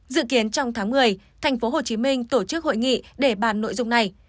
dự kiến trong tháng một mươi tp hcm tổ chức hội nghị để bàn nội dung này